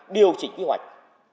điều chỉnh kế hoạch